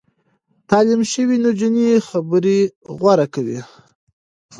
تعليم شوې نجونې خبرې غوره کوي.